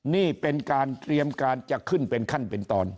นี่เป็นการเตรียมการจะขึ้นเป็นขั้นเป็นตอน